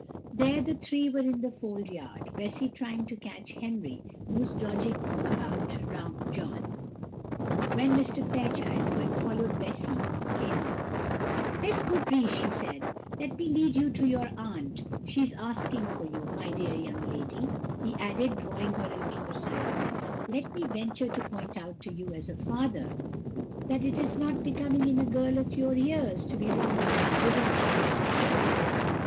There the three were in the fold yard, Bessy trying to catch Henry, who was dodging about round John, when Mr. Fairchild, who had followed Bessy, came up. "Miss Goodriche," he said, "let me lead you to your aunt, she is asking for you. My dear young lady," he added, drawing her a little aside, "let me venture to point out to you, as a father, that it is not becoming in a girl of your years to be romping with a servant man."